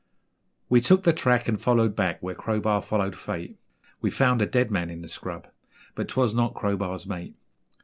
We took the track and followed back where Crowbar followed fate, We found a dead man in the scrub but 'twas not Crowbar's mate.